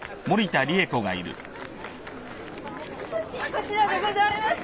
・こちらでございます。